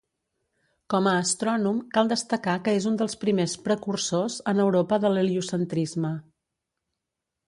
Com a astrònom cal destacar que és un dels primers precursors en Europa de l'heliocentrisme.